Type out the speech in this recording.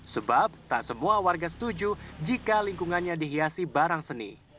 sebab tak semua warga setuju jika lingkungannya dihiasi barang seni